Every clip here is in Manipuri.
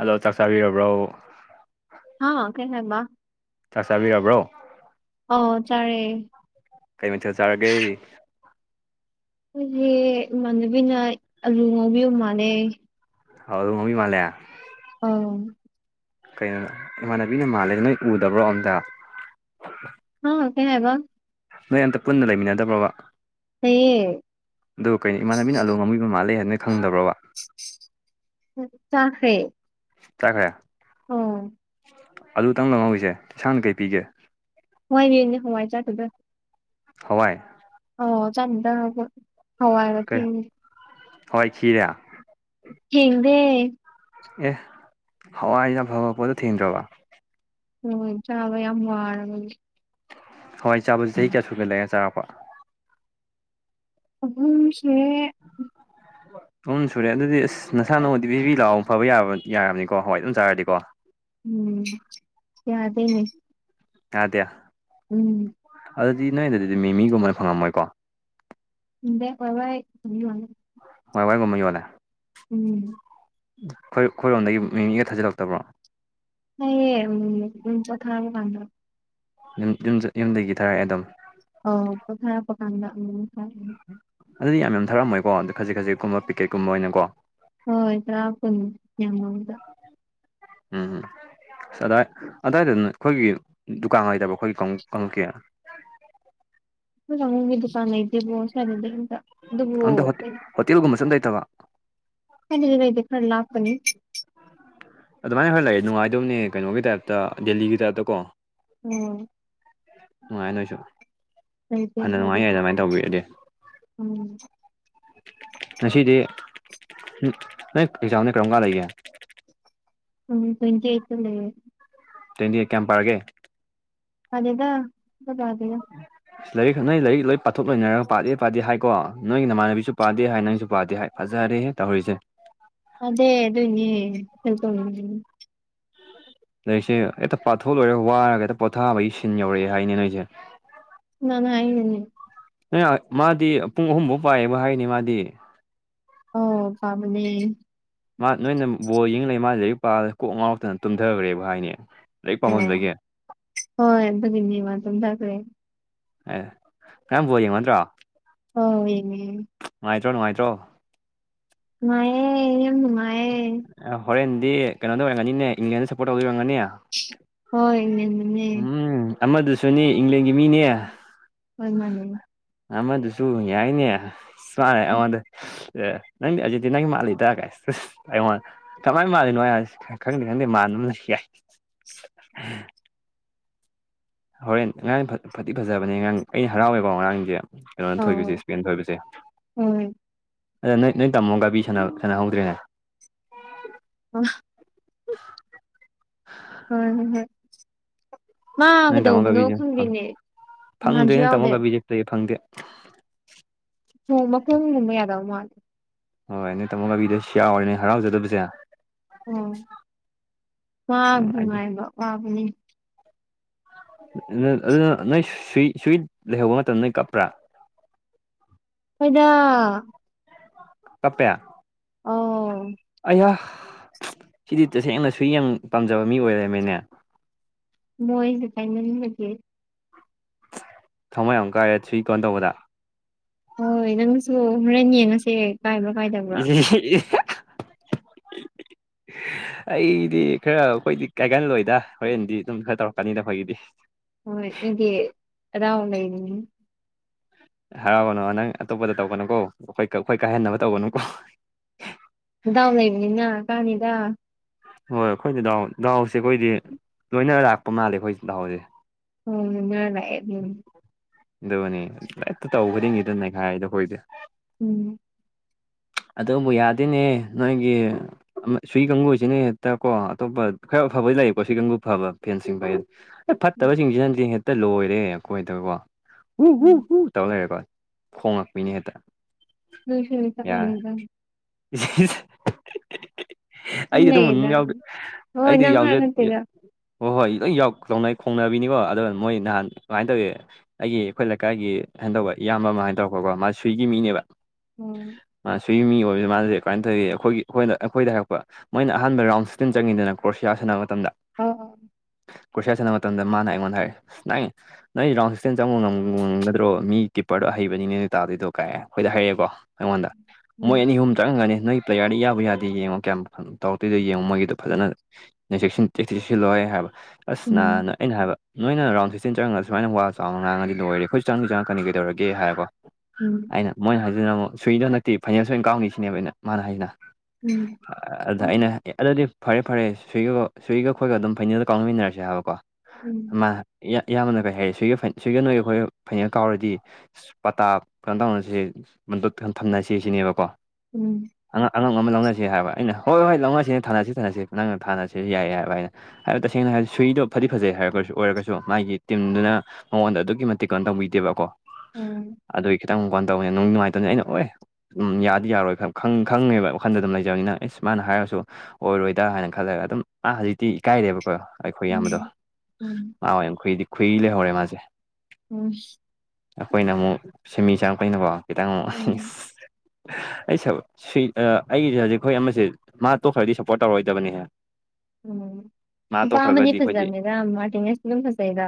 ꯍꯜꯂꯣ ꯆꯥꯛ ꯆꯕꯤꯔꯕ꯭ꯔꯣ ꯍꯥ ꯀꯕ ꯆꯥꯛ ꯆꯥꯕꯤꯔꯕ꯭ꯔꯣ ꯑꯣ ꯆꯥꯔꯦ ꯀꯩ ꯃꯊꯦꯜ ꯆꯥꯔꯒꯦ ꯑꯩꯈꯣꯏꯁꯦ ꯏꯃꯥꯟꯅꯕꯤꯅ ꯑꯂꯨ ꯉꯧꯕꯤꯌ ꯃꯥꯥꯟꯅꯩ ꯑ ꯑꯗꯨ ꯃꯃꯤ ꯃꯥꯜꯂꯦ ꯑ ꯀꯩꯅꯣꯗ ꯏꯃꯥꯟꯅꯕꯤꯅ ꯃꯥꯜꯂꯦ ꯅꯣꯏ ꯎꯗꯕ꯭ꯔꯣ ꯑꯝꯇ ꯍ ꯀꯌꯥ ꯍꯕ ꯅꯣꯏ ꯑꯝꯇ ꯄꯨꯟꯅ ꯂꯩꯃꯤꯟꯅꯗꯕ꯭ꯔꯣꯕ ꯍ ꯑꯗꯣ ꯀꯩꯅ ꯏꯥꯟꯅꯕꯤꯅ ꯑꯂ ꯉꯉꯝꯕꯤ ꯃ ꯃꯥꯜꯂꯦ ꯍꯥꯏꯅ ꯈꯪꯗꯕ꯭ꯔꯕ ꯆꯥꯈꯦ ꯆꯈꯦ ꯑꯣ ꯑꯗꯨꯇꯪ ꯂꯧꯪꯍꯧꯔꯤꯁꯦ ꯏꯁꯥꯡꯅ ꯀꯩ ꯄꯤꯒꯦ ꯍꯋꯥꯏꯕꯤꯅꯦ ꯍꯋꯥꯏ ꯆꯥꯗꯗ ꯍꯋꯥꯏ ꯑꯣ ꯆꯗ ꯍꯋꯥ ꯌꯥꯕ ꯊ ꯍꯣꯏ ꯈꯈꯤꯔꯦ ꯍꯗꯦ ꯑꯦ ꯍꯋꯥꯏꯅ ꯐꯕ ꯄꯣꯠꯇꯣ ꯊꯦꯡꯗ꯭ꯔꯕ ꯅꯣꯏ ꯆꯥꯕ ꯌꯥꯝ ꯋꯥꯔꯕꯒꯤ ꯍꯋꯥꯏ ꯆꯥꯕꯁꯤ ꯆꯍꯤ ꯀꯌꯥ ꯁꯨꯒ ꯂꯩꯔ ꯆꯥꯔꯛꯄ ꯑꯍꯨꯝꯁꯦ [inaudible] ꯑꯍꯨꯝ ꯁꯨꯔꯦ ꯑꯗꯨꯗꯤ ꯑꯁ ꯅꯁꯥ ꯅꯎꯗꯤ ꯕꯤꯕꯤ ꯂꯥꯎ ꯐꯕ ꯌꯥꯕ ꯌꯥꯔꯕꯅꯤꯀꯣ ꯍꯋꯥꯏ ꯑꯗꯨꯝ ꯆꯥꯔꯗꯤꯀꯣ ꯎꯝ ꯌꯥꯗꯦꯅꯦ ꯌꯥꯗꯦ ꯎꯝ ꯑꯗꯨꯗꯤ ꯅꯣꯏꯗꯗꯤ ꯃꯤꯃꯤ ꯒꯨꯝꯕ ꯐꯪꯉꯝꯃꯣꯏꯀꯣ [unintelligible] ꯍꯣꯏ ꯋꯥꯏꯒꯨꯝꯕ ꯌꯣꯂꯥ ꯎꯝ ꯣꯏ ꯑꯩꯈꯣꯏꯔꯣꯝꯗꯒꯤ ꯃꯤ ꯃꯤꯒ ꯊꯥꯖꯤꯜꯂꯛꯇꯕ꯭ꯔꯣ ꯅ ꯀꯊ ꯍꯥꯏ ꯂꯥꯟꯗ꯭ꯔ ꯌ ꯌꯨꯝ ꯌꯨꯝꯗꯒꯤ ꯊꯥꯔꯛꯑꯦ ꯑꯗꯨꯝ ꯑꯣ ꯀꯊꯥ ꯐ ꯀꯥꯡꯗ ꯎ ꯐ ꯑꯗꯨꯗꯤ ꯌꯥꯝ ꯌꯥꯝ ꯊꯥꯛꯝꯃꯣꯏꯀꯣ ꯑꯗ ꯈꯖꯤꯛ ꯈꯖꯤꯛꯀꯨꯝꯕ ꯄꯤꯛꯀꯦꯠꯀꯨꯝꯕ ꯑꯣꯏꯅꯀꯣ ꯍꯣꯏ ꯇ꯭ꯔꯀ ꯌꯥꯝꯃꯗ ꯎꯝ ꯎꯝ ꯑꯁ ꯑꯏ ꯑꯋꯥꯏꯗꯅ ꯑꯩꯈꯣꯏꯒꯤ ꯗꯨꯀꯥꯟ ꯍꯥꯏꯇꯕ ꯑꯩꯈꯣꯏꯒꯤ ꯀꯥꯡꯂꯨꯞꯀꯤ ꯉꯒꯤ ꯗꯨꯀꯥꯟ ꯏꯗꯦꯕꯣꯁꯥꯗꯦ ꯑꯗ ꯍꯣ ꯍꯣꯇꯦꯜꯒꯨꯝꯃꯁꯗ ꯑꯇꯕ ꯀꯩꯅꯗꯤ ꯉꯩꯗꯤ ꯈꯜꯂ ꯑꯩ ꯑꯗꯨꯃꯥꯏꯅ ꯈꯔ ꯂꯩ ꯅꯨꯡꯉꯥꯏꯗꯕꯅꯦ ꯀꯩꯅꯣꯒꯤ ꯇꯥꯏꯞꯇ ꯗꯦꯜꯂꯤꯒꯤ ꯇꯥꯏꯞꯇ ꯀꯣ ꯎꯝ ꯅꯨꯡꯉꯥꯏ ꯅꯣꯏꯁꯨ ꯂꯩꯇꯦ ꯐꯅ ꯅꯨꯡꯉꯥꯏ ꯌꯥꯏ ꯍꯥꯏꯕꯗꯤ ꯑꯗꯨꯃꯥꯏꯅ ꯇꯧꯕꯤꯔꯗꯤ ꯎꯝ ꯉꯁꯤꯗꯤ ꯅꯪ ꯑꯦꯛꯖꯥꯝꯗ ꯀꯔꯝ ꯀꯥꯟ ꯂꯩꯒꯦ ꯎꯝ ꯇ꯭ꯋꯦꯟꯇꯤ ꯑꯩꯠꯇ ꯂꯩꯌꯦ [unintelligible] ꯗꯤ ꯀꯌꯥꯝ ꯄꯔꯒꯦ ꯄꯗꯦꯗ ꯀꯗꯥꯏꯗꯩꯅꯣ ꯂꯥꯏꯛ [unintelligible] ꯅꯩ ꯂꯥꯏꯛ ꯂꯣꯏ ꯄꯥꯊꯣꯛ ꯂꯤ ꯄꯥꯗꯦ ꯄꯥꯗꯦ ꯍꯥꯏꯀꯣ ꯅꯣꯏꯒꯤ ꯅꯃꯥꯟꯅꯕꯤꯁꯨ ꯄꯥꯗꯦ ꯍꯥꯏ ꯅꯪꯁꯨ ꯄꯥꯗꯦ ꯍꯥꯏ ꯐꯖꯥꯔꯦ ꯍꯦ ꯇꯧꯔꯤꯁꯦ [unintelligible] ꯂꯥꯏꯔꯤꯛꯁꯦ ꯍꯦꯛꯇ ꯄꯥꯊꯣꯛ ꯂꯣꯏꯔꯒ ꯋꯥꯔꯒ ꯍꯦꯛꯇ ꯄꯣꯊꯥꯕꯒꯤ ꯁꯤꯟ ꯌꯧꯔꯛꯑꯦ ꯍꯥꯏꯅꯦ ꯅꯣꯏꯁꯦ ꯅ ꯅꯥꯏꯅꯅꯦ [unintelligible] ꯃꯥꯗꯤ ꯄꯨꯡ ꯑꯍꯨꯝꯐꯥꯎ ꯄꯥꯏꯌꯦꯕ ꯍꯥꯏꯅꯤ ꯃꯥꯗꯤ ꯑꯣ ꯄꯥꯕꯅꯦ ꯃꯥ ꯅꯣꯏꯅ ꯕꯣꯜ ꯌꯦꯡ ꯂꯩꯔ ꯃꯥ ꯂꯩꯔꯤꯛ ꯄꯥ ꯀꯣꯛ ꯉꯥꯎꯔꯛꯇꯅ ꯇꯨꯝꯗꯒ꯭ꯔꯦꯕꯨ ꯍꯥꯏꯅꯦ ꯂꯥꯏꯔꯤꯛ ꯄꯥꯝꯃꯟꯕꯒꯤ ꯑꯣ ꯍꯣꯏ [unintelligible] ꯑꯦ [unintelligible] ꯕꯣꯜ ꯌꯦꯡꯕ ꯅꯠꯇ꯭ꯔꯣ? ꯑꯎ ꯌꯦꯡꯉꯦ ꯅꯨꯡꯉꯥꯏꯇ꯭ꯔꯣ ꯅꯨꯡꯉꯥꯏꯇ꯭ꯔꯣ ꯅꯨꯡꯉꯥꯏꯌꯦ ꯌꯥꯝ ꯅꯨꯡꯉꯥꯏꯌꯦ ꯑꯦ ꯍꯣꯔꯦꯟꯗꯤ ꯀꯩꯅꯣꯗ ꯑꯣꯏꯔꯝꯒꯅꯤꯅꯦ ꯏꯪꯂꯦꯟꯗ ꯁꯞꯄꯣꯔꯠ ꯇꯧꯗ ꯑꯣꯏꯔꯝꯒꯅꯤ ꯍꯣꯏ ꯏ ꯎꯝ ꯑꯃꯗꯨꯁꯨꯅꯤ ꯏꯪꯂꯦꯟꯒꯤ ꯃꯤꯅꯦ ꯍꯣꯏ ꯃꯥꯅꯦ ꯑꯃꯗꯨꯁꯨ ꯌꯥꯏꯅꯦ ꯃꯥꯅ ꯑꯩꯉꯣꯟꯗ ꯅꯪꯗꯤ ꯑꯖꯤꯗꯤꯤ ꯅꯪꯒꯤ ꯃꯥꯂꯗ꯭ꯔꯑꯒꯦꯉꯣꯟ ꯀꯃꯥꯏꯅ ꯃꯥꯜꯂꯤꯅꯣ ꯍꯥꯏꯁꯤ ꯈꯪꯗꯦ ꯈꯪꯗꯦ ꯃꯥꯟꯅꯕꯅ ꯌꯥꯏ ꯍꯣꯔꯦꯟ ꯉꯔꯥꯡ ꯐꯠꯇꯤ ꯐꯖꯕꯅꯦ ꯉꯔꯥꯡ ꯑꯩꯅ ꯍꯔꯥꯎꯋꯦꯀꯣ ꯉꯔꯥꯡꯁꯦ ꯀꯩꯅꯣꯅ ꯊꯣꯏꯈꯤꯕꯁꯦ ꯑꯧ ꯏꯁꯄꯦꯟ ꯊꯣꯏꯕꯁꯦ ꯍꯣꯏ ꯑꯗ ꯅꯣꯏ ꯅꯣꯏ ꯇꯥꯃꯣ ꯒꯥꯕꯤ ꯁꯥꯟ ꯁꯥꯟꯅꯍꯧꯗ꯭ꯔꯦꯅꯦ ꯑꯣ ꯍꯣꯏ ꯍ ꯍ ꯃꯥ ꯅꯣꯏ ꯇꯥꯃꯣ ꯀꯩꯗꯧꯕꯅꯣ ꯒꯥꯕꯤꯁꯦ ꯐꯪ ꯈꯪꯗꯦꯅꯦ ꯅꯍꯥꯟꯁꯨ ꯌꯥꯎꯗꯦ ꯐꯩ ꯐꯪꯗꯦ ꯅꯣꯡ ꯃꯈꯣꯡꯒꯨꯝꯕ ꯌꯥꯗꯕ ꯃꯥꯜꯜꯂꯤꯦ ꯍꯣꯏ ꯅꯣꯏ ꯇꯥꯃꯣ ꯕꯤꯗꯁꯨ ꯌꯥꯎꯔꯦꯅꯦ ꯍꯔꯥꯎꯖꯗꯕꯁꯦ ꯑꯣ ꯅꯨꯡꯉꯥꯏꯇꯦ ꯑꯗꯨ [unintelligible] ꯕꯅꯤ ꯑꯗꯨꯅ ꯅꯣꯏ ꯁꯨꯏ ꯁꯨꯏ ꯂꯩꯍꯧꯕ ꯃꯇꯝꯗ ꯅꯣꯏ ꯀꯞꯄ꯭ꯔꯥ? ꯍꯣꯏꯗ ꯇꯞꯄꯦ ꯑꯧ ꯑꯌꯥ ꯁꯤꯗꯤ ꯇꯁꯦꯡꯅ ꯁꯨꯏ ꯌꯝ ꯄꯥꯝꯖꯕ ꯃꯤ ꯑꯣꯏꯔꯃꯦꯅꯦ ꯃꯣꯏꯁꯦ ꯇꯥꯟꯃꯟꯕꯒꯤ ꯊꯃꯣꯏ ꯌꯥꯝ ꯀꯥꯏꯔꯦ ꯊ꯭ꯔꯤ ꯀꯣꯟ ꯇꯧꯕꯗ ꯍꯣꯏ ꯅꯪꯁꯨ ꯍꯨꯔꯦꯟ ꯌꯦꯡꯉꯁꯦ ꯀꯥꯏꯕ꯭ꯔꯥ [inaudible] ꯀꯥꯏꯗꯕ꯭ꯔꯥ ꯑꯩꯗꯤ ꯈꯔ ꯑꯩꯈꯣꯏꯗꯤ ꯀꯥꯏꯒꯜꯂꯣꯏꯗ ꯍꯣꯔꯦꯟꯗꯤ ꯑꯗꯨꯝ ꯈꯔ ꯇꯧꯔꯛꯀꯅꯤꯗ ꯑꯩꯈꯣꯏꯒꯤꯗꯤ ꯍꯣꯏ ꯅꯗꯤ ꯍꯔꯥꯎ ꯂꯩꯕꯅꯤ ꯍꯔꯥꯎꯒꯅꯨ ꯅꯪ ꯑꯇꯣꯞꯄꯗ ꯇꯧꯕꯅꯨꯀꯣ ꯑꯩꯈꯣꯏ ꯑꯩꯈꯣꯏ ꯀꯥꯏꯍꯟꯅꯕ ꯇꯧꯕꯅꯨꯀꯣ ꯗꯥꯎ ꯂꯩꯕꯅꯤꯅ ꯀꯥꯅꯤꯗ ꯍꯣꯏ ꯑꯩꯈꯣꯏꯗꯤ ꯗꯥꯍꯎ ꯗꯥꯍꯎꯁꯦ ꯑꯩꯈꯣꯏꯗꯤ ꯂꯣꯏꯅ ꯂꯥꯛꯄ ꯃꯥꯜꯂꯦ ꯑꯩꯈꯣꯏ ꯗꯥꯍꯥꯎꯁꯦ ꯎꯝ ꯅꯅꯦ ꯎꯝ ꯑꯗꯨꯅꯤ ꯂꯦꯛꯇ ꯇꯧ ꯈꯨꯗꯤꯡꯒꯤꯗ ꯅꯩꯈꯥꯏꯗꯣ ꯍꯣꯏꯗꯦ ꯎꯝ ꯑꯗꯨꯕꯨ ꯌꯥꯗꯤꯅꯦ ꯅꯣꯏꯒꯤ ꯁꯨ ꯀꯥꯡꯒꯨꯁꯤꯅ ꯍꯦꯛꯇ ꯀꯣ ꯑꯇꯣꯞꯄ ꯈꯔ ꯑꯐꯕ ꯂꯩꯑꯀꯣ ꯁꯨꯏ ꯀꯥꯡꯪꯒꯨ ꯐꯕ ꯐꯦꯟꯁꯤꯡꯕ ꯍꯥꯏꯗꯤ ꯑꯦ ꯐꯠꯇꯕꯁꯤꯡꯁꯤꯅꯗꯤ ꯍꯦꯛꯇ ꯂꯣꯏꯔꯦ ꯑꯩꯈꯣꯏꯗꯀꯣ ꯍ ꯍ ꯎꯝ ꯍ ꯇꯧ ꯂꯩꯔꯦꯀꯣ ꯐꯣꯡꯉꯛꯄꯅꯦ ꯍꯦꯛꯇ ꯅꯣꯏꯁꯃꯤ ꯆ ꯌꯥꯔꯦ ꯃꯖ [unintelligible] ꯑꯩꯗꯤ ꯑꯗꯨꯝ ꯍꯣꯏ ꯑꯩꯗꯤ ꯅꯪ ꯌꯥꯎꯖꯦ ꯍꯥꯏꯕ ꯅꯠꯇꯦꯗ ꯍꯣꯏ ꯍꯣꯏ ꯂꯣꯏꯅꯩ ꯈꯣꯡꯅꯕꯤꯅꯤꯀꯣ ꯑꯗꯣ ꯃꯣꯏ ꯅꯍꯥꯟ ꯀꯃꯥꯏꯅ ꯇꯧꯋ ꯑꯩꯒꯤ ꯑꯩꯈꯣꯏ ꯂꯩꯀꯥꯏꯒꯤ ꯀꯅ ꯇꯧꯕ ꯏꯌꯥꯝꯕ ꯑꯃ ꯍꯥꯏꯅ ꯇꯧꯔꯣꯀꯣ ꯃꯥ ꯁ꯭ꯋꯏꯒꯤ ꯃꯤꯅꯦꯕ ꯑꯣꯝ ꯃꯥ ꯁꯤ ꯃꯤ ꯑꯣꯏꯕꯕꯁꯤ ꯃꯥꯗꯦ ꯀꯃꯥꯏꯅ ꯇꯧꯋꯔꯤ ꯑꯩꯈꯣꯏꯒꯤ ꯑꯩꯈꯣꯏꯅ ꯑꯩꯈꯣꯏꯗ ꯍꯥꯏꯔꯛꯄ ꯃꯣꯏꯅ ꯑꯍꯥꯟꯕ ꯔꯥꯎꯟ ꯁꯇꯝ ꯆꯪꯉꯤꯗꯅ ꯀ꯭ꯔꯣꯁꯤꯌꯥ ꯁꯥꯟꯅꯕ ꯃꯇꯝꯗ ꯑꯣ ꯀꯔꯁꯤꯌꯥ ꯁꯥꯟꯅꯕ ꯃꯇꯝꯗ ꯃꯥꯅ ꯑꯩꯉꯣꯟꯗ ꯍꯥꯏꯪ ꯅꯪ ꯔꯥꯎꯟ ꯁꯤꯁꯇꯦꯟ ꯆꯪꯕ ꯉꯝ ꯉꯝꯒꯗ꯭ꯔꯣ ꯃꯤ ꯀꯤꯄꯔꯗꯣ ꯍꯩꯕꯅꯤꯅꯦ ꯑꯗꯨ ꯇꯥꯗꯣꯏꯗꯣ ꯀꯥꯏꯔꯦꯈꯣꯏꯗꯔꯑꯦꯀꯣ ꯑꯩꯉꯣꯟꯗ ꯃꯣꯏ ꯎꯝ ꯑꯅꯤ ꯑꯍꯨꯝ ꯇꯥꯔꯝꯒꯅꯤ ꯅꯣꯏ ꯄ꯭ꯂꯦꯌꯥꯔꯗꯤ ꯌꯥꯕꯨ ꯌꯥꯗꯦ ꯌꯦꯡꯉꯣ ꯀꯌꯥꯝ ꯇꯧꯔꯛꯇꯣꯏꯗꯣ ꯌꯦꯡꯉꯣ ꯃꯣꯏꯒꯤꯗꯣ ꯐꯖꯅ ꯅ ꯆꯁꯤ ꯆꯦꯛꯁꯤ ꯆꯦꯛꯁꯤꯜꯂꯣꯏ ꯍꯥꯏꯕ ꯑꯁ ꯎꯝ ꯅꯍꯥꯟ ꯑꯩꯅ ꯍꯥꯏꯕ ꯅꯣꯏꯅ ꯔꯥꯎꯟ ꯁꯤꯛꯁꯇꯤꯟ ꯆꯪꯔꯒ ꯁꯨꯥꯏꯅ ꯋꯥ ꯆꯥꯎꯅ ꯉꯥꯡꯉꯗꯤ ꯂꯣꯏꯔꯦꯈꯣꯏ ꯆꯪ ꯆꯥꯟꯅ ꯀꯩꯧꯔꯒꯦ ꯍꯥꯏꯕꯣ ꯎꯝ ꯑꯩꯅ ꯃꯣꯏꯅ ꯍꯥꯏꯁꯤꯗꯅ ꯑꯃꯨꯛ ꯁꯨꯏꯗꯣ ꯍ ꯅꯛꯇꯤ ꯐꯥꯏꯅꯜꯁ ꯑꯣꯏꯅ ꯀꯥꯎꯅꯤ ꯁꯤꯅꯦꯕ ꯑꯩꯅ ꯃꯥꯅ ꯍꯥꯏꯁꯤꯅ ꯎꯝ ꯑꯗ ꯑꯩꯅ ꯑꯦ ꯑꯗꯨꯗꯤ ꯐꯔꯦ ꯐꯔꯦ ꯁ꯭ꯏꯒ ꯁ꯭ꯋꯤꯒꯈꯣꯏꯒ ꯑꯗꯨꯝ ꯐꯩꯩꯅꯣꯜꯗ ꯀꯥꯎꯅꯃꯤꯟꯅꯔꯁꯦ ꯍꯥꯏꯕꯀꯣ ꯎꯝ ꯃꯥ ꯌꯥꯝꯅ ꯀꯩ ꯍꯥꯏꯔꯦ ꯁꯣꯏꯒ ꯁꯣꯏꯒ ꯅꯣꯏ ꯑꯩꯈꯣꯏ ꯐꯩꯅꯜ ꯀꯥꯎꯔꯗꯤ ꯄꯇꯥ ꯀꯩꯅꯣ ꯇꯧꯅꯁꯤ ꯊꯝꯅꯁꯤ ꯁꯤꯅꯦꯕꯀꯣ ꯎꯝ ꯑꯉꯝ ꯑꯉꯝ ꯂꯧꯅꯁꯤ ꯍꯥꯏꯕ ꯑꯩꯅ ꯍꯣꯏ ꯍꯣꯏ ꯂꯧꯅꯁꯤꯅꯦ ꯊꯥꯅꯁꯤ ꯊꯥꯅꯁꯤ ꯅꯪꯅ ꯊꯥꯅꯁꯤꯁꯨ ꯌꯥꯏꯌꯦ ꯍꯥꯏꯕ ꯑꯩꯅ ꯍꯥꯏꯕꯗꯤ ꯇꯁꯦꯡꯅ ꯍꯥꯏꯗꯤ ꯁꯨꯏꯗꯣ ꯐꯗꯤ ꯐꯖꯩ ꯍꯥꯏꯔꯒꯁꯨ ꯑꯣꯏꯔꯒꯁꯨ ꯃꯥꯒꯤ ꯇꯤꯝꯗꯨꯅ ꯃꯉꯣꯟꯗ ꯑꯗꯨꯛꯀꯤ ꯃꯇꯤꯛ ꯀꯩꯅꯣ ꯇꯧꯕꯤꯗꯦꯕꯀꯣ ꯑꯗꯨꯒꯤ ꯈꯤꯇꯪ [unintelligible] ꯅꯨꯡ ꯅꯨꯡꯉꯥꯏꯇꯝꯅꯦ ꯑꯩꯅ ꯑꯣꯏ ꯎꯝ ꯌꯥꯗꯤ ꯌꯥꯔꯣꯏ ꯈꯪ ꯈꯪꯉꯦꯕ ꯋꯥꯈꯟꯗ ꯑꯗꯨꯝ ꯂꯩꯖꯕꯅꯤꯅ ꯑꯦꯁ ꯃꯥꯅ ꯍꯥꯏꯔꯁꯨ ꯑꯣꯏꯔꯣꯏꯗ ꯍꯥꯏꯅ ꯈꯜꯂꯒ ꯑꯗꯨꯝ ꯑꯥ ꯍꯧꯖꯤꯛꯇꯤ ꯏꯀꯥꯏꯔꯦꯕꯀꯣ ꯑꯩꯈꯣꯏ ꯑꯌꯥꯝꯕꯗꯣ ꯃꯥ ꯑꯣꯏꯅ ꯈꯨꯏꯗꯤ ꯈꯨꯏ ꯂꯩꯍꯧꯔꯦ ꯃꯥꯁꯦ ꯎꯝ ꯑꯩꯈꯣꯏꯅ ꯑꯃꯨꯛ ꯁꯤꯃꯤ ꯆꯪꯉꯛꯄꯩꯅꯀꯣ ꯈꯤꯇꯪ ꯑꯃꯨꯛ ꯑꯩ ꯁ ꯁꯨꯏ ꯑꯩꯁꯦ ꯍꯧꯖꯤꯛ ꯑꯩꯈꯣꯏ ꯑꯃꯁꯦ ꯃꯥ ꯇꯣꯛꯈ꯭ꯔꯗꯤ ꯁꯞꯄꯣꯔꯠ ꯇꯧꯔꯔꯣꯏꯗꯕꯅꯤꯍꯦ ꯎꯝ ꯅꯨꯄꯥ ꯑꯃꯗꯤ ꯑꯩꯈꯣꯏꯗꯤ ꯐꯖꯕꯅ‌ꯦꯗꯥ ꯃꯥꯔꯇꯤꯅꯦꯖ ꯑꯗꯨꯝ ꯐꯖꯩꯗ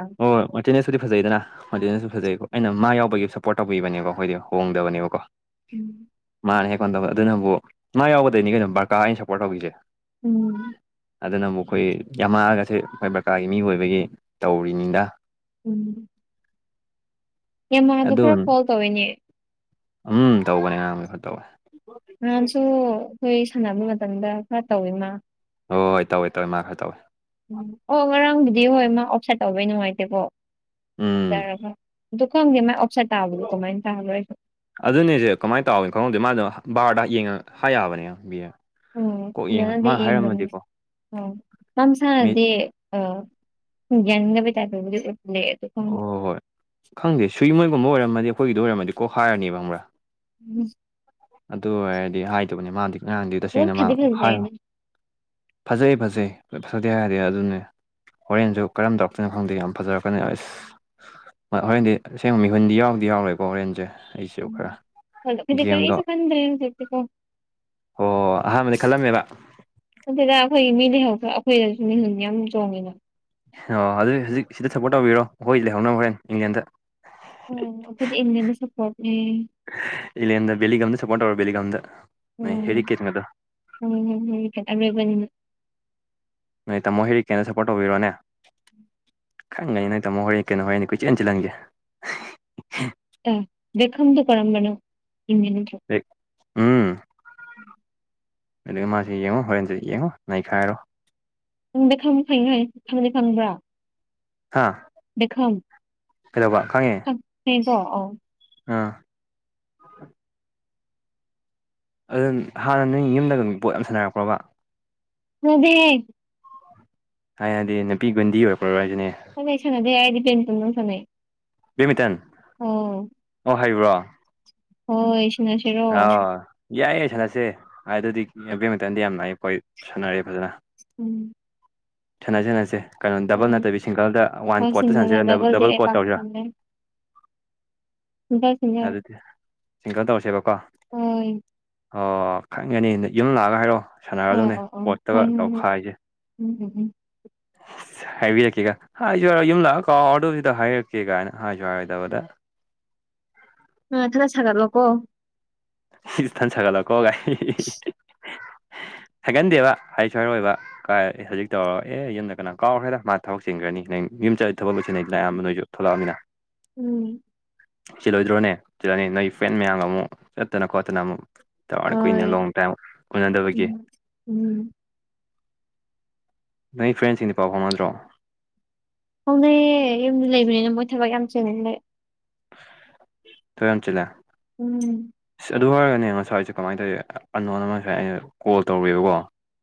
ꯃꯥꯔꯇꯦꯅꯦꯖꯄꯨꯗꯤ ꯐꯖꯩꯗꯅ ꯃꯥꯔꯇꯦꯅ‌ꯦꯖꯁꯨ ꯐꯖꯩꯀꯣ ꯑꯩꯅ ꯃꯥ ꯌꯥꯎꯕꯒꯤ ꯁꯞꯄꯣꯔꯠ ꯇꯧꯕꯤꯕꯅꯦꯀꯣ ꯑꯈ‌ꯣꯏꯗ‌ꯣ ꯍꯣꯡꯗꯕꯅꯦꯕꯀꯣ ꯎꯝ ꯃꯥꯅ ꯍꯦꯛꯀꯣꯟ ꯇꯧꯕ ꯑꯗꯨꯅꯕꯨ ꯃꯥ ꯌꯥꯎꯕꯗꯩꯅꯤ ꯀꯩꯅꯣ ꯕꯔꯀꯥ ꯑꯩꯅ ꯁꯞꯄꯣꯔꯠ ꯇꯧꯈꯤꯁꯦ ꯎꯝ ꯑꯗꯨꯅ ꯑꯃꯨꯛꯈꯣꯏ ꯌꯥꯝꯃꯜꯒꯁꯦ ꯑꯩꯈꯣꯏ ꯕ꯭ꯔꯀꯥꯒꯤ ꯃꯤ ꯑꯣꯏꯕꯒꯤ ꯇꯧꯔꯤꯅꯤꯗ ꯎꯝ ꯌꯝꯃꯥꯗꯣ ꯑꯗꯨ ꯈꯔ ꯐ‌ꯣꯜ ꯇꯧꯋꯤꯅꯦ ꯎꯝ ꯇꯧꯒꯅꯤ [unintelligible] ꯈꯔ ꯇꯧꯋꯦ ꯅꯍꯥꯟꯁꯨ ꯑꯩꯈꯣꯏ ꯁꯥꯟꯅꯕ ꯃꯇꯝꯗ ꯈꯔ ꯇꯧꯋ‌ꯦ ꯃꯥ ꯍꯣꯏ ꯍꯣꯏ ꯇꯧꯋꯦ ꯇꯧꯋꯦ ꯃꯥ ꯈꯔ ꯇꯧꯋꯦ ꯎꯝ ꯑꯣ ꯉꯔꯥꯡꯕꯨꯗꯤ ꯍꯣꯏ ꯃꯥ ꯑꯣꯞꯁꯥꯏꯠ ꯇꯧꯕꯩ ꯅꯨꯡꯉꯥꯏꯇꯦꯀꯣ ꯎꯝ ꯖꯔꯕ ꯑꯗꯨ ꯈꯪꯗꯦ ꯃꯥꯏ ꯑꯣꯞꯁꯥꯏꯠ ꯇꯥꯕꯗꯣ ꯀꯃꯥꯏ ꯇꯥꯕꯅ‌ꯣ ꯑꯩꯁꯨ ꯑꯗꯨꯅꯦꯁꯦ ꯀꯃꯥꯏꯅ ꯇꯧꯋꯤꯅ‌ꯣ ꯈꯪꯍꯧꯗꯦ ꯃꯥꯗꯣ ꯕꯥꯔꯗ ꯌꯦꯡꯉ ꯍꯥꯏ ꯌꯥꯕꯅꯦ ꯕꯤ ꯎꯝ ꯐꯖꯅꯗꯤ ꯌ‌ꯦꯝꯗꯝꯅ‌ꯦ ꯎꯝ ꯃꯥ ꯃꯤ ꯃꯁꯥꯅꯗꯤ ꯑ ꯌꯥꯅꯤꯡꯗꯕꯩ ꯇꯥꯏꯞꯗꯕꯨꯗꯤ ꯎꯠꯂ‌ꯦ ꯑꯗꯨ ꯈꯪꯗ‌ꯦ ꯍꯣꯏ ꯍꯣꯏ ꯈꯪꯗꯦ ꯁꯨꯏ ꯃꯣꯏꯒꯨꯝꯕ ꯑꯣꯏꯔꯝꯃꯗꯤ ꯑꯩꯈꯣꯏꯒꯤꯗ ꯑꯣꯏꯔꯝꯃꯗꯤ ꯀꯣꯛ ꯍꯥꯏꯔꯅꯤ ꯈꯪꯕ꯭ꯔꯥ [unintelligible] ꯑꯗꯨ ꯑꯣꯏꯔꯗꯤ ꯍꯥꯏꯗꯨꯕꯅꯦ ꯃꯥꯗꯤ ꯉꯔꯥꯡꯗꯤ ꯑꯗꯨꯝ ꯇꯁꯦꯡꯅ ꯃꯥ ꯐꯗꯤ ꯍꯥꯏꯌꯣ ꯐꯖꯩꯅꯦ ꯐꯖꯩ ꯐꯖꯩ ꯐꯖꯗꯦ ꯍꯥꯏꯗ‌ꯦ ꯑꯗꯨꯅꯦ ꯍꯣꯔꯦꯟꯁꯨ ꯀꯔꯝ ꯇꯧꯔꯛꯇꯣꯏꯅ‌ꯣ ꯈꯪꯗꯦ ꯌꯥꯝ ꯐꯖꯔꯛꯀꯅꯤ ꯑꯁ ꯍꯣꯔꯦꯟꯗꯤ ꯑꯁꯦꯡꯕ ꯃꯤꯍꯨꯟꯗꯤ ꯌꯥꯎꯗꯤ ꯌꯥꯎꯔꯣꯏꯀꯣ ꯍꯣꯔꯦꯟꯖ‌ꯦ ꯎꯝ ꯈ‌ꯣꯏꯗꯤ ꯀꯔꯤꯁꯨ ꯈꯟꯗ‌ꯦ [unintelligible] ꯑꯣ ꯑꯍꯥꯟꯕꯗꯗꯤ ꯈꯜꯂꯝꯃꯦꯕ ꯅꯠꯇ‌ꯦꯗ ꯑꯩꯈꯣꯏꯒꯤ ꯃꯤ ꯂꯩꯍꯧꯕ ꯑꯩꯈꯣꯏꯅꯁꯨ ꯃꯤꯍꯨꯟ ꯌꯥꯝ ꯆꯣꯡꯉꯤꯅ ꯑꯣ ꯑꯗꯨ ꯍꯧꯖꯤꯛ ꯁꯤꯗ ꯁꯞꯄꯣꯔꯠ ꯇꯧꯕꯤꯔꯣ ꯑꯩꯈꯣꯏ ꯂꯩꯍꯧꯅꯕ ꯍꯣꯔꯦꯟ ꯏꯪꯂꯦꯟꯗ ꯑꯣ ꯑꯗꯨꯗꯤ ꯏꯪꯂ‌ꯦꯟꯗ ꯁꯄꯣꯔꯠꯅꯦ ꯏꯪꯂ‌ꯦꯟꯗ ꯕ‌ꯦꯂꯤꯡꯒꯝꯗ ꯁꯄꯣꯔꯠ ꯇꯧꯔ‌ꯣ ꯕꯦꯂꯤꯡꯒꯝꯗ ꯅ‌ꯣꯏ ‌ꯍ‌ꯦꯔꯤꯀꯦꯗ ꯎꯝ [unintelligible] ꯍ‌ꯦꯔꯤꯀ‌ꯦꯠ ꯑꯔ‌ꯣꯏꯕ ꯅꯣꯏ ꯇꯥꯃꯣ ꯍꯦꯔꯤꯀꯦꯟꯅ ꯁꯄꯣꯔꯠ ꯇꯧꯕꯤꯔꯣꯅꯦ ꯈꯪꯉꯅꯤ ꯅ‌ꯣꯏ ꯇꯥꯃꯣ ꯍꯦꯔꯤꯀ‌ꯦꯟ ꯍ‌ꯣꯏ ꯀꯨꯏꯆꯦꯟ ꯆ‌ꯦꯜꯍꯪꯒꯦ ꯑ ꯕ‌ꯦꯈꯝꯗ‌ꯣ ꯀꯔꯝꯕꯅꯣ ꯏꯪꯂ‌ꯦꯟ ꯅꯠꯇꯔ‌ꯣ ꯎꯝ ꯑꯗ ꯃꯥꯁꯤ ꯌꯦꯡꯉꯣ ꯍꯣꯔꯦꯟꯁꯦ ꯌꯦꯡꯉꯣ ꯅꯩꯈꯥꯏꯔꯣ ꯕ‌ꯩꯛꯈꯝꯗꯤ ꯐꯩ ꯍꯥꯏ ꯍꯥꯏ ꯈꯪꯗꯤ ꯈꯪꯕ꯭ꯔꯥ ꯍꯥꯥ ꯕ‌ꯦꯈꯝ [inaudible] ꯑꯥ ꯑꯗꯨ ꯍꯥꯟꯅ ꯅꯣꯏ ꯌꯨꯝꯗꯒ ꯕ‌ꯣꯜ ꯌꯥꯝ ꯁꯥꯟꯅꯔꯛꯄ꯭ꯔꯣꯕ ꯁꯥꯟꯅꯗ‌ꯦꯍ‌ꯦ ꯊꯥꯏꯅꯗꯤ ꯅꯨꯄꯤ ꯒꯨꯟꯗꯤ ꯑꯣꯏꯔꯛꯄ꯭ꯔꯣ [unintelligible] ꯍꯥꯏꯁꯤꯅꯦ ꯑꯩꯗꯤ ꯁꯟꯅꯗꯦ ꯑꯩꯗꯤ ꯄꯦꯟ [unintelligible] ꯁꯟꯅꯩ ꯃꯤꯇꯟ ꯑꯣ ꯍꯩꯕ꯭ꯔꯣ ꯍꯣꯏ ꯁꯥꯟꯅꯁꯤꯔꯣ ꯑꯥꯎ ꯌꯥꯏ ꯌꯥꯏ ꯁꯥꯟꯅꯁꯦ ꯑꯗꯨꯗꯤ ꯕꯦꯗꯃꯤꯇꯟꯗꯤ ꯌꯥꯝ ꯂꯥꯛꯑꯦ ꯄꯣꯏ ꯁꯥꯟꯅꯔꯦ ꯐꯖꯅ ꯎꯝ ꯁꯥꯟꯅ ꯁꯦꯅꯁꯦ ꯀꯩꯅꯣ ꯗꯕꯜ ꯍꯣꯏ ꯅꯠꯇꯕꯤ ꯁꯤꯡꯒꯜꯗ ꯋꯥꯟ ꯍꯣꯏ ꯀꯣꯔꯠꯇꯇ ꯁꯤꯡꯒꯜꯂ ꯁꯥꯟꯅꯁꯤꯔꯥ ꯗꯕꯜꯗꯤ ꯗꯕꯜ ꯑꯩ ꯀꯣꯔꯣꯠ ꯄꯥꯛ ꯇꯧꯁꯤꯔꯥ ꯁꯤꯖ ꯁꯤꯖ ꯑꯗꯨꯗꯤ ꯁꯤꯡꯒꯜ ꯇꯧꯔꯁꯦꯕꯀꯣ ꯍ ꯑꯣ ꯈꯪꯒꯅꯤ ꯌꯨꯝ ꯂꯥꯛꯑꯒ ꯍꯥꯏꯔꯛꯣ ꯑꯣ ꯁꯥꯟꯅꯔꯗꯧꯅꯦ ꯑꯣ ꯑꯣ ꯍꯣꯏ ꯀꯣꯠꯇꯒ ꯍꯣꯏ ꯍꯣꯏ ꯇꯧꯈꯥꯏ ꯍꯥꯏꯁꯦ ꯎꯝ ꯎꯝ ꯎꯝ ꯍꯥꯏꯕꯤꯔꯛꯀꯦꯒ ꯍꯥꯏ ꯍꯥꯏꯔ ꯌꯨꯝ ꯂꯥꯛꯑ ꯀꯥꯎ ꯑꯗꯨꯗ ꯍꯥꯏꯔꯛꯀꯦ ꯀꯥꯏꯅ ꯍꯥꯏꯁꯨ ꯌꯥꯔꯣꯏꯗꯕꯗ ꯎ ꯈꯔ ꯁꯥꯒꯠꯂꯣ ꯀꯣ ꯁꯤꯊꯟ ꯁꯥꯒꯠꯂꯛꯀꯣ ꯥꯏ ꯍꯥꯏꯒꯟꯗꯦꯕ ꯍꯥꯏꯁꯨ ꯍꯥꯏꯔꯣꯏꯕ ꯀꯥꯏ ꯍꯧꯖꯤꯛ ꯇꯧꯔꯒ ꯑꯦ ꯌꯨꯝꯗ ꯀꯅꯥ ꯀꯥꯎꯈ꯭ꯔꯦꯗ ꯃꯥ ꯊꯕꯛ ꯆꯤꯡꯈ꯭ꯔꯅꯤ ꯅꯪ ꯌꯨꯝꯗ ꯊꯕꯛ ꯂꯣꯏꯁꯤꯟꯩꯗꯅ ꯑꯌꯥꯝꯕ ꯅꯣꯏꯁꯨ ꯊꯣꯛꯂꯛꯑꯃꯤꯅ [inaudible] ꯎꯝ ꯁꯤꯂꯣꯏꯗ꯭ꯔꯣꯅꯦ ꯆꯜꯂꯅꯤ ꯅꯣꯏꯒꯤ ꯐ꯭ꯔꯦꯟ ꯃꯌꯥꯝꯒ ꯑꯃꯨꯛ ꯆꯠꯇꯅ ꯈꯣꯠꯇꯅ ꯑꯃꯨꯛ ꯆꯔ ꯀꯨꯏꯅ ꯍꯣꯏ ꯂꯣꯡ ꯇꯥꯏꯝ ꯎꯅꯗꯕꯒꯤ ꯎꯝ ꯎꯝ ꯅꯪ ꯐ꯭ꯔꯦꯟꯁꯤꯡꯗꯤ ꯄꯥꯎ ꯐꯥꯎꯅꯗ꯭ꯔꯣ ꯍꯧꯅꯩꯑꯦ ꯌꯨꯝꯗ ꯂꯩꯕꯅꯤꯅ ꯃꯣꯏ ꯊꯕꯛ ꯌꯥꯝ ꯆꯦꯜꯉꯦꯅ ꯂꯩ ꯊꯝ ꯆꯂ ꯎꯝ ꯑ ꯑꯗꯨ ꯑꯣꯏꯔꯒꯅꯦ ꯉꯁꯥꯏꯁꯦ ꯀꯃꯥꯏꯅ ꯇꯧꯋ ꯑꯅꯣꯅ ꯉꯁꯥꯏ ꯑꯩꯅ ꯀꯣꯜ ꯇꯧꯔꯦꯕꯀꯣ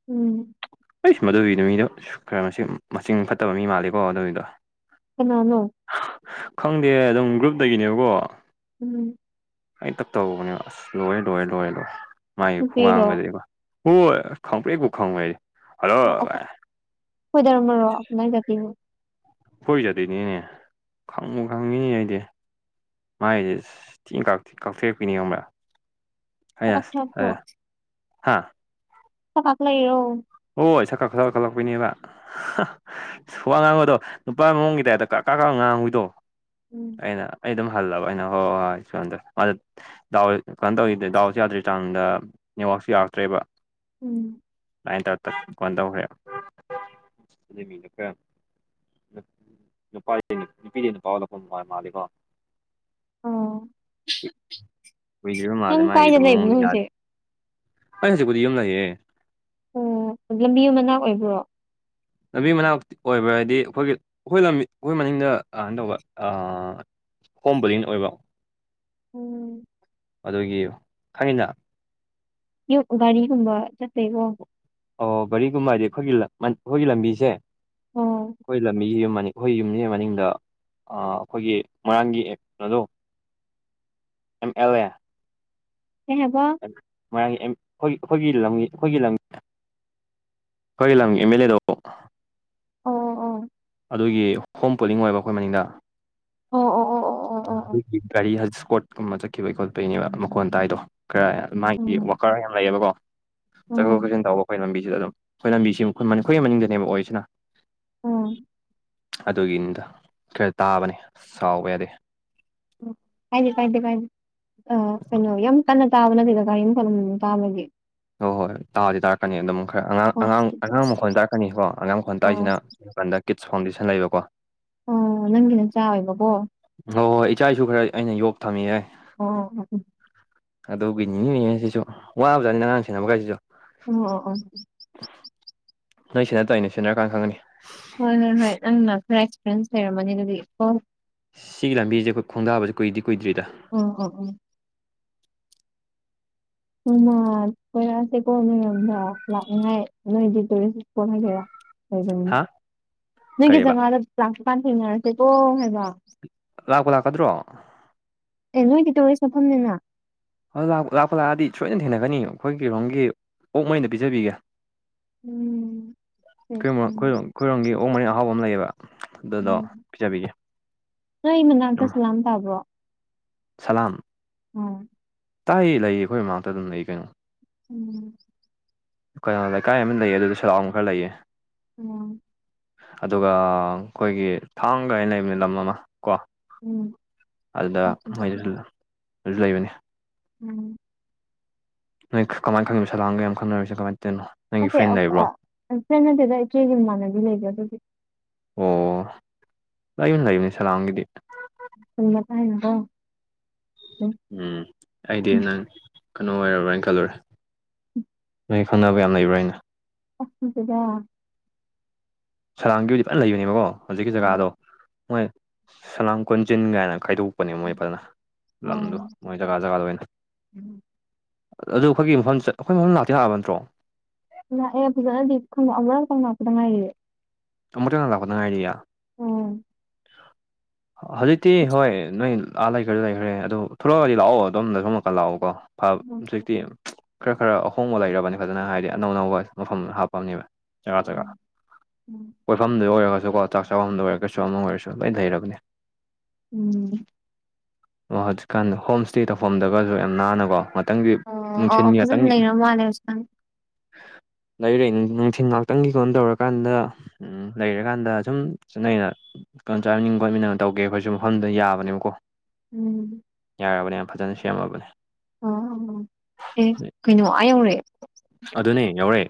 ꯎꯝ ꯑꯩ ꯁ ꯃꯗꯨꯒꯤꯗꯨꯣ ꯃꯤꯗꯣ ꯈꯔ ꯃꯁꯤꯡ ꯃꯁꯤꯡꯆ ꯐꯠꯇꯕ ꯃꯤ ꯃꯥꯜꯂꯦꯀꯣ ꯑꯗꯨꯒꯤꯗꯣ ꯅꯥꯅꯣ ꯈꯪꯗꯦ ꯑꯗꯨꯝ ꯒ꯭ꯔꯨꯞꯇꯒꯤꯅꯦꯕꯀꯣ ꯎꯝ ꯑꯩ ꯇꯞ ꯇꯧꯕꯅꯦ ꯑꯁ ꯂꯣꯏꯔꯦ ꯂꯣꯏꯔꯦ ꯂꯣꯏꯔꯦ ꯂꯣꯏ ꯃꯥꯒꯤ ꯅꯨꯄꯤꯔꯣ ꯈꯨꯉꯥꯡꯒꯗꯤꯕ ꯍꯣꯏ ꯍꯣꯏ ꯈꯪꯕ꯭ꯔꯦꯀꯣ ꯈꯪꯉ ꯑꯣ ꯑ ꯀꯣꯏꯗꯔꯝꯃꯔꯣ ꯅ ꯆꯗꯤꯅ ꯀꯣꯏꯖꯗꯣꯏꯅꯦꯅꯦ ꯈꯪꯉꯨ ꯈꯪꯉꯤꯅꯦ ꯑꯩꯗꯤ ꯃꯥꯥꯏꯁꯦꯡ ꯀꯛꯊꯔꯛꯄꯤꯅꯤꯉꯕ꯭ꯔꯥ ꯀꯛ ꯊ꯭ꯔꯣ ꯍꯥꯥ ꯐꯥꯛꯂ ꯌꯦꯣ ꯑꯣ ꯁꯛ ꯀꯥ ꯈꯠ ꯀꯈꯠꯂꯛꯄꯅꯦꯕ ꯁꯨ ꯉꯥꯡꯕꯗꯣ ꯅꯨꯄꯥ ꯃꯑꯣꯡꯒꯤ ꯇꯥꯏꯞꯇ ꯀꯛ ꯀꯥ ꯀ ꯉꯥꯡꯉꯨꯏꯗꯣ ꯎꯝ ꯑꯩꯅ ꯑꯩ ꯑꯗꯨꯝ ꯍꯜꯂꯕ ꯑꯩꯅ ꯍꯣꯏ ꯍꯣꯏ ꯍꯣꯏ ꯁꯣꯝꯗ ꯗꯥꯎ ꯀꯩꯅꯣ ꯇꯧꯔꯤꯗꯦ ꯗꯥꯎꯁ ꯌꯥꯗ꯭ꯔꯦ ꯆꯥꯡꯗ ꯅꯦꯠꯋꯥꯛꯁꯨ ꯌꯥꯔꯛꯇ꯭ꯔꯦꯕ ꯎꯝ ꯑꯗꯨ ꯇꯧ ꯐꯣꯟ ꯇꯧꯈ꯭ꯔꯦ ꯅꯨꯄꯥꯁ ꯅꯨꯄꯤꯗꯤ ꯅꯨꯄꯥꯥꯎ ꯂꯧꯥꯛꯐꯝ ꯃꯥꯜꯂꯤꯦꯀꯣ ꯑꯣ ꯎꯨꯢꯗꯔꯤꯕ ꯃꯥꯜꯂꯦ ꯅꯪ ꯃꯥꯥꯒꯤꯗꯣ ꯀꯥꯏꯗ ꯂꯩꯕꯅꯣ ꯃꯑꯣꯡꯗꯣ ꯌꯥꯗꯦ ꯍꯧꯖꯤꯛ ꯑꯩ ꯍꯧꯖꯤꯡꯄꯨꯗꯤ ꯌꯨꯝ ꯂꯩꯌꯦ ꯑꯣ ꯂꯝꯕꯤ ꯃꯅꯥꯛ ꯑꯣꯏꯕ꯭ꯔꯣ ꯂꯝꯕꯤ ꯃꯅꯥꯛ ꯑꯣꯏꯕ ꯍꯥꯏꯗꯤ ꯑꯩꯈꯣꯏꯒꯤ ꯑꯩꯈꯣꯏ ꯂꯝꯕꯤ ꯑꯩꯈꯣꯏ ꯃꯅꯤꯡꯗ ꯢꯢ ꯇꯧꯕ ꯑꯥ꯫ ꯀꯣꯝꯕꯂꯤꯟ ꯑꯣꯏꯕ ꯎꯝ ꯑꯗꯨꯒꯤ ꯑꯩꯅ ꯌꯨ ꯒꯥꯔꯤꯒꯨꯝꯕ ꯆꯠꯇꯦꯕꯣ ꯑꯣ ꯚꯔꯤꯒꯨꯝꯕ ꯍꯥꯏꯗꯤ ꯑꯩꯈꯣꯏꯒꯤ ꯂꯝ ꯑꯩꯈꯣꯏꯒꯤ ꯂꯝꯕꯤꯁꯦ ꯑꯣ ꯑꯩꯈꯣꯏꯒꯤ ꯂꯝꯕꯤꯒꯤ ꯌꯨꯝ ꯑꯃꯅꯤ ꯑꯩꯈꯣꯏ ꯌꯨꯝꯁꯤ ꯃꯅꯤꯡꯗ ꯑꯥ ꯑꯩꯈꯣꯏꯒꯤ ꯃꯣꯏꯔꯥꯡꯒꯤ ꯑꯦꯞ ꯑꯗꯣ ꯑꯦꯝ ꯑꯦꯂꯦ ꯍꯕ ꯃꯣꯏꯔꯥꯡꯒꯤ ꯑꯩꯈꯣꯏꯒꯤ ꯂꯝꯒꯤ ꯑꯩꯈꯣꯏꯒꯤ ꯂꯝ ꯑꯩꯈꯣꯏꯒꯤ ꯂꯝꯒꯤ ꯑꯦꯝ ꯑꯦꯜ ꯑꯦꯗꯣ ꯑꯣ ꯑꯣ ꯑꯗꯨꯒꯤ ꯍꯣꯝ ꯄꯨꯣꯂꯤꯡ ꯑꯣꯏꯕ ꯑꯩꯈꯣꯏ ꯃꯅꯤꯡꯗ ꯑꯣ ꯑꯣ ꯑꯣ ꯑꯣ ꯑꯣ ꯑꯣ ꯑꯗꯨꯒꯤ ꯒꯥꯔꯤꯖꯤ ꯏꯁꯀꯣꯠꯀꯨꯝꯕ ꯆꯠꯈꯤꯕꯒꯤ ꯈꯣꯠꯄꯒꯤꯅꯦꯕ ꯃꯈꯣꯟ ꯇꯥꯏꯗꯣ ꯈꯔ ꯃꯥꯒꯤ ꯎꯝ ꯋꯥꯀꯔ ꯌꯥꯝ ꯂꯩꯌꯦꯕꯀꯣ ꯆꯠꯊꯣꯛ ꯎꯝ ꯆꯠꯁꯤꯟ ꯇꯧꯕ ꯑꯩꯈꯣꯏ ꯂꯝꯕꯤꯁꯤꯗ ꯑꯗꯨꯝ ꯑꯩꯈꯣꯏ ꯂꯝꯕꯤꯁꯤ ꯑꯩꯈꯣꯏꯒꯤ ꯃꯅꯤꯡꯗꯅꯦꯕ ꯑꯣꯏꯁꯤꯅ ꯑꯣꯝ ꯑꯗꯨꯒꯤꯅꯤꯗ ꯈꯔ ꯇꯥꯕꯅꯦ ꯁꯕ ꯌꯥꯗꯦ ꯎ ꯀꯥꯏꯗꯤꯦ ꯀꯥꯏꯗꯦ ꯀꯥꯏꯗꯦ ꯑ ꯀꯩꯅꯣ ꯌꯥꯝ ꯀꯟꯅ ꯇꯥꯕꯅꯠꯇꯗ ꯀꯔꯤꯝ ꯐꯂꯝ ꯇꯥꯕꯒꯦ ꯍꯣꯏ ꯍꯣꯏ ꯇꯥꯗꯤ ꯇꯥꯔꯛꯀꯅꯤ ꯑꯗꯨꯝ ꯈꯔ ꯑꯉꯥꯡ ꯑꯣ ꯑꯉꯥꯡ ꯑꯉꯥꯡ ꯃꯈꯣꯟ ꯇꯥꯔꯛꯀꯅꯤꯀꯣ ꯑꯉꯥꯡ ꯃꯈꯣꯟꯜ ꯑꯣ ꯇꯥꯔꯤꯁꯤꯅ ꯀꯟꯗ ꯀꯤꯠꯁ ꯐꯥꯎꯟꯗꯦꯁꯟ ꯂꯩꯕꯀꯣ ꯑꯣ ꯅꯪꯒꯤ ꯅꯆꯥ ꯑꯣꯏꯕꯀꯣ ꯍꯣꯏ ꯍꯣꯏ ꯏꯆꯥ ꯏꯁꯨ ꯈꯔ ꯑꯩꯅ ꯌꯣꯛ ꯊꯝꯃꯤꯑꯦ ꯑꯣ ꯑꯗꯨꯒꯤ ꯅꯤꯡꯉꯤꯅꯦ ꯁꯤꯁꯨ ꯋꯥꯕꯖꯥꯠꯅꯦ ꯑꯉꯥꯡ ꯁꯦꯅꯕ ꯀꯥꯏꯁꯤꯁꯨ ꯑꯣ ꯑꯣ ꯑꯣ ꯅꯣꯏ ꯁꯤꯟꯅ ꯇꯥꯢꯅ ꯁꯤꯟꯅꯔꯀꯥꯟ ꯈꯪꯉꯥꯅꯤ ꯍꯣꯏ ꯍꯣꯏ ꯍꯣꯏ ꯅꯪꯅ ꯈꯔ ꯑꯦꯛꯁꯄꯤꯔꯤꯌꯦꯟꯁ ꯂꯩꯔꯝꯃꯅꯤ ꯑꯗꯨꯗꯤ ꯀꯣ ꯁꯤꯒꯤ ꯂꯝꯕꯤꯁꯦ ꯑꯩꯈꯣꯏ ꯈꯣꯡꯗꯥꯕꯁꯦ ꯀꯨꯏꯗꯤ ꯀꯨꯏꯗ꯭ꯔꯤꯗ [unintelligible] [unintelligible] [unintelligible] ꯍꯥ ꯅꯪꯒꯤ ꯀꯔꯤꯕ ꯖꯒꯥꯗ ꯂꯥꯛꯄꯀꯥꯟ ꯊꯦꯡꯅꯔꯁꯦꯀꯣ ꯍꯥꯏꯕ ꯂꯥꯛꯄꯨ ꯂꯥꯛꯀꯗ꯭ꯔꯣ ꯑꯦ ꯅꯣꯏꯗꯤ ꯇꯧꯔꯤꯁ ꯆꯠꯐꯝꯅꯤꯅ ꯂꯥꯛ ꯂꯥꯛꯄꯨ ꯂꯥꯛꯑꯗꯤ ꯁꯣꯏꯅ ꯊꯦꯡꯅꯒꯅꯤ ꯑꯩꯈꯣꯏꯒꯤꯔꯣꯝꯒꯤ ꯑꯣꯛ ꯃꯔꯤꯟꯗꯣ ꯄꯤꯖꯕꯤꯒꯦ ꯎꯝ ꯈꯣꯢꯔꯣ ꯎꯝ ꯈꯣꯏꯔꯣꯝ ꯈꯣꯏꯔꯣꯝꯒꯤ ꯑꯣꯛ ꯃꯔꯤꯟ ꯑꯍꯥꯎꯕ ꯑꯃ ꯂꯩꯌꯦꯕ ꯑꯗꯨꯗꯣ ꯎꯝ ꯄꯤꯖꯕꯤꯒꯦ ꯅꯝ ꯇꯕ꯭ꯔꯣ ꯁꯂꯝ ꯎꯝ ꯇꯥꯏꯌꯦ ꯂꯩꯌꯦ ꯑꯩꯈꯣꯏ ꯃꯃꯥꯡꯇ ꯑꯗꯨꯝ ꯂꯩ ꯀꯩꯅꯣ ꯎꯝ ꯀꯩꯅꯣ ꯂꯩꯀꯥꯏ ꯑꯃ ꯂꯩꯌꯦ ꯑꯗꯨꯗ [unintelligible] ꯈꯔ ꯂꯩꯌꯦ ꯎꯝ ꯑꯗꯨꯒ ꯑꯩꯈꯣꯏꯒꯤ ꯊꯥꯡꯒꯥ ꯍꯥꯢꯅ ꯂꯩꯕꯅꯦ ꯂꯝ ꯑꯃ ꯀꯣ ꯎꯝ ꯑꯗꯨꯗ ꯃꯣꯏꯁꯨ ꯎꯝ ꯑꯗꯨ ꯂꯩꯕꯅꯤ ꯎꯝ ꯅꯣꯏ ꯀꯃꯥꯏꯅ ꯈꯪꯏꯅꯣ ꯁꯂꯥꯝꯒ ꯌꯥꯝ ꯈꯡꯅꯔꯤꯁꯤ ꯀꯃꯥꯏꯅ ꯇꯧꯔꯤꯅꯣ ꯅꯪꯒꯤ ꯐ꯭ꯔꯦꯟ ꯂꯩꯕ꯭ꯔꯣ ꯅꯠꯇ ꯅꯠꯇꯦꯗ ꯏꯆꯦꯒꯤ ꯃꯃꯥꯟꯅꯕꯤ ꯂꯩꯕ ꯑꯗꯨꯗꯤ ꯑꯣ ꯂꯩꯕꯅꯤ ꯂꯩꯕꯅꯤ ꯁꯂꯥꯝꯒꯤꯗꯤ ꯁꯅ ꯇꯥꯏꯅꯣ ꯎꯝ ꯑꯩꯗꯤ ꯅꯪ ꯀꯩꯅꯣ ꯑꯣꯏꯔꯕ꯭ꯔꯅ ꯈꯜꯂꯨꯔꯦ ꯅꯣꯏ ꯈꯪꯅꯕ ꯌꯥꯝ ꯂꯩꯕ꯭ꯔꯥ ꯍꯥꯏꯩꯅ ꯑꯣ ꯅꯨꯡꯁꯤꯗ ꯁꯂꯥꯝꯒꯤ ꯑꯣꯏꯅꯗꯤ ꯐꯖꯅ ꯂꯩꯕꯅꯦꯕꯀꯣ ꯍꯧꯖꯤꯛꯀꯤ ꯑꯣ ꯖꯒꯥꯗꯣ ꯃꯣꯏ ꯁꯂꯥꯝ ꯀꯣꯟꯖꯤꯟ ꯀꯥꯏꯅ ꯈꯥꯏꯗꯣꯛ ꯀꯄꯅꯤ ꯃꯣꯏ ꯐꯖꯅ ꯂꯝꯗꯨ ꯑꯣ ꯃꯣꯏ ꯖꯒꯥ ꯖꯒꯥꯗ ꯑꯣꯏꯅ ꯑꯗꯨ ꯑꯩꯈꯣꯏꯒꯤ ꯃꯐꯝ ꯑꯩꯈꯣꯏ ꯃꯐꯝ ꯂꯥꯛꯇꯤ ꯂꯥꯛꯑꯕ ꯅ꯭ꯠꯇꯔꯣ ꯥꯂꯛꯑꯦ ꯐꯖꯅꯗꯤ [unintelligible] ꯉꯥꯏꯔꯤꯌꯦ ꯑꯃꯨꯛꯇꯪ ꯂꯥꯛꯄꯗ ꯉꯥꯏꯔꯤꯌꯥ ꯎꯝ ꯍꯧꯖꯤꯛꯇꯤ ꯍꯣꯏ ꯅꯣꯏ ꯑ ꯂꯩꯈ꯭ꯔꯦ ꯂꯩꯈ꯭ꯔꯦ ꯑꯗꯣ ꯊꯣꯛꯂꯛꯑꯒꯗꯤ ꯂꯥꯛꯑꯣ ꯑꯗꯨꯝꯗ [unintelligible] ꯂꯥꯛꯑꯣꯀꯣ ꯍꯧꯖꯤꯛꯇꯤ ꯈꯔ ꯈꯔ ꯑꯍꯣꯡꯕ ꯂꯩꯔꯕꯅꯤ ꯐꯖꯅ ꯍꯥꯏꯗꯤ ꯑꯅꯧ ꯑꯅꯧꯕ ꯃꯐꯝ ꯍꯥꯞꯄꯝꯅꯦꯕ [unintelligible] ꯎꯝ ꯀꯣꯏꯐꯝꯗ ꯑꯣꯏꯔꯒꯁꯨꯀꯣ ꯆꯥꯛ ꯆꯥꯐꯝꯗ ꯑꯣꯏꯔꯒꯁꯨ ꯑꯃ ꯑꯣꯏꯔꯁꯨ ꯂꯣꯏꯅ ꯂꯩꯩꯔꯕꯅꯤ ꯎꯝ ꯑꯣ ꯍꯧꯖꯤꯛꯀꯥꯟ ꯍꯣꯝ ꯏꯁ꯭ꯇꯦ ꯇꯧꯐꯝꯗꯒꯁꯨ ꯌꯥꯝ ꯅꯥꯟꯅꯀꯣ ꯉꯍꯥꯛꯇꯪꯗꯤ ꯑꯣ ꯅꯨꯡꯊꯤꯟ ꯑꯣ ꯐꯖꯅ ꯉꯍꯥꯛꯇꯪꯒꯤ ꯂꯩꯔ ꯃꯥꯜꯂꯦ ꯍꯧꯖꯤꯛꯀꯥꯟ ꯂꯩꯔꯦ ꯅꯨꯡꯊꯤꯟ ꯉꯥꯛꯇꯪꯒꯤ ꯀꯣꯟ ꯇꯧꯔꯀꯥꯟꯗ ꯎꯝ ꯂꯩꯔꯀꯥꯟꯗ ꯁꯨꯝ [unintelligible] ꯀꯟ ꯆꯥ ꯃꯅꯤꯡ ꯈꯣꯠꯃꯤꯟꯅꯒꯦ ꯇꯧꯒꯦ ꯑꯩꯈꯣꯏꯁꯨ ꯃꯐꯝꯗꯨꯗ ꯌꯥꯕꯅꯦꯕꯀꯣ ꯎꯝ ꯌꯥꯔꯕꯅꯦ ꯌꯥꯝ ꯐꯖꯅ ꯁꯦꯝꯃꯕꯅꯦ ꯑꯣ ꯑꯣ ꯑꯦ ꯀꯩꯅꯣ ꯑꯥ ꯌꯧꯔꯦ ꯑꯗꯨꯅꯦ ꯌꯧꯔꯦ